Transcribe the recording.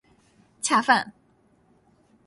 恰饭